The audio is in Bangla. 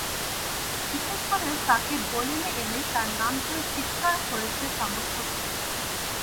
বিশেষ করে সাকিব বোলিংয়ে এলেই তাঁর নাম ধরে চিৎকার করেছে সমর্থকেরা।